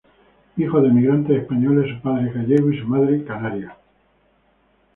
Hijo de emigrantes españoles, su padre es gallego y su madre canaria.